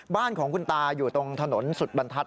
บ้านของคุณตาอยู่ตรงถนนสุดบรรทัศน